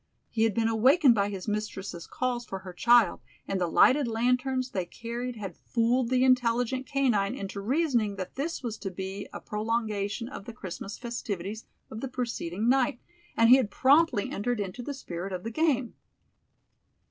He had been awakened by his mistress's calls for her child, and the lighted lanterns they carried had fooled the intelligent canine into reasoning that this was to be a prolongation of the Christmas festivities of the preceding night, and he had promptly entered into the spirit of the game.